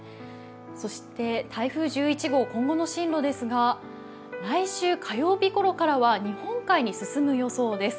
そして台風１１号、今後の進路ですが来週火曜日頃からは日本海に進む予想です。